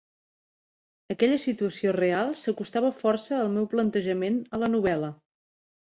Aquella situació real s'acostava força al meu plantejament a la novel·la.